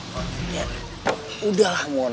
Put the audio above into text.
mon yaudah lah mon